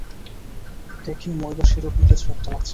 দেখে মই বা সেরকম কিছু একটা লাগছে।